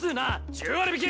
１０割引き！